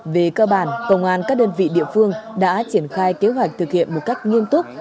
về cơ bản công an các đơn vị địa phương đã triển khai kế hoạch thực hiện một cách nghiêm túc